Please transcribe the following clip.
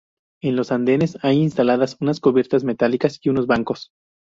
En los andenes hay instaladas unas cubiertas metálicas y unos bancos.